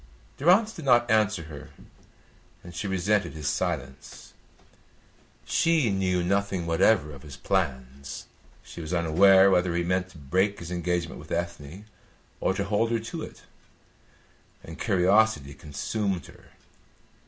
Durrance did not answer her, and she resented his silence. She knew nothing whatever of his plans; she was unaware whether he meant to break his engagement with Ethne or to hold her to it, and curiosity consumed her.